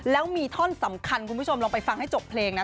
แล้วมีท่อนสำคัญคุณผู้ชมลองไปฟังให้จบเพลงนะ